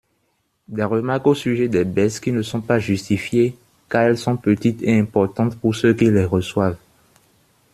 Des remarques au sujet des baisses qui ne sont pas justifiées car elles sont petites et importantes pour ceux qui les reçoivent.